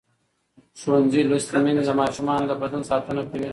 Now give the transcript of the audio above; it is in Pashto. ښوونځې لوستې میندې د ماشومانو د بدن ساتنه کوي.